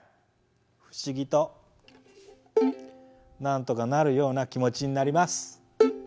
不思議となんとかなるような気持ちになります。